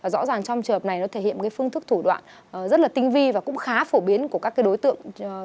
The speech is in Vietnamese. rõ ràng trong trường hợp này nó thể hiện phương thức thủ đoạn rất tinh vi và cũng khá phổ biến của các đối tượng cho vay